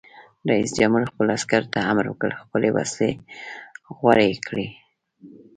رئیس جمهور خپلو عسکرو ته امر وکړ؛ خپلې وسلې غوړې کړئ!